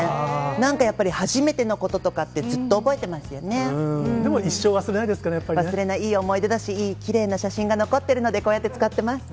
なんかやっぱり、初めてのこととでも、忘れない、いい思い出だし、いいきれいな写真が残ってるので、こうやって使ってます。